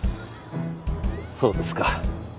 そうですか。